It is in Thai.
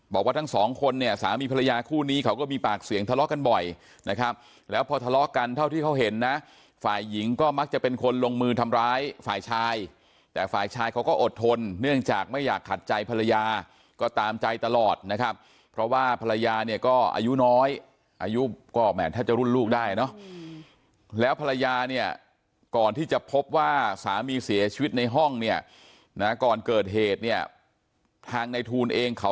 บอกว่าทั้งสองคนเนี่ยสามีภรรยาคู่นี้เขาก็มีปากเสี่ยงทะเลาะกันบ่อยนะครับแล้วพอทะเลาะกันเท่าที่เขาเห็นนะฝ่ายหญิงก็มักจะเป็นคนลงมือทำร้ายฝ่ายชายแต่ฝ่ายชายเขาก็อดทนเนื่องจากไม่อยากขัดใจฝรรยาก็ตามใจตลอดนะครับเพราะว่าฝรรยาเนี่ยก็อายุน้อยอายุก็แหมดถ้าจะรุ่นลูกได้เนาะแล้วฝรรยาเ